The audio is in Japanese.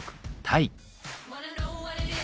タイ。